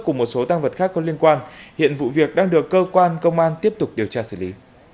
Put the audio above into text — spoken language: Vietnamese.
cùng một số tăng vật khác có liên quan hiện vụ việc đang được cơ quan công an tiếp tục điều tra xử lý